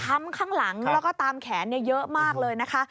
ข้างข้างหลังแล้วก็ตามแขนเยอะมากเลยนะคะ